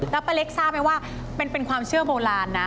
แล้วป้าเล็กทราบไหมว่าเป็นความเชื่อโบราณนะ